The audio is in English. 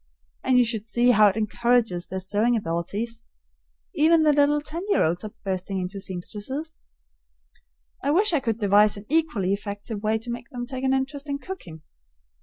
And you should see how it encourages their sewing ability. Even the little ten year olds are bursting into seamstresses. I wish I could devise an equally effective way to make them take an interest in cooking.